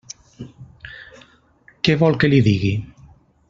Què vol que li digui?